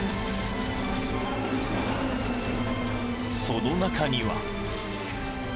［その中には］